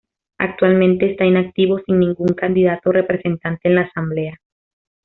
Actualmente está inactivo sin ningún candidato o representante en la Asamblea.